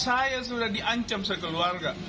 saya sudah dihancam sekeluarga